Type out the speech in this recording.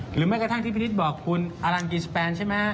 หรือแม้กระทั่งที่พี่นิดบอกคุณอลังกินสแปนใช่ไหม